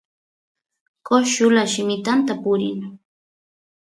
coshul allimitanta purin